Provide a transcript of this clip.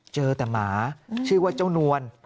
เจอแต่หมาชื่อว่าเจ้านวล